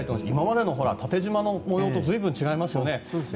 今までの縦じま模様とずいぶん違いますよね。